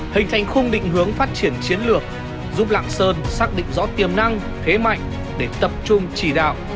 hình thành khung định hướng phát triển chiến lược giúp lạng sơn xác định rõ tiềm năng thế mạnh để tập trung chỉ đạo